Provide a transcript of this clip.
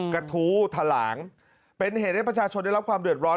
กระทู้ทะหลางเป็นเหตุให้ประชาชนได้รับความเดือดร้อน